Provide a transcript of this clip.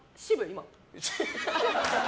今。